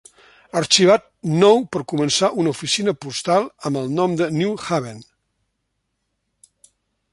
Arxivat nou per començar una oficina postal amb el nom de New Haven.